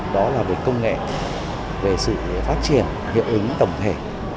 đó là về công nghệ về sự phát triển hiệu ứng tổng thể